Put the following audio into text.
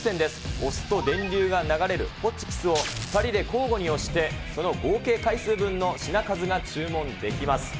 押すと電流が流れるホチキスを２人で交互に押してその合計回数分の品数が注文できます。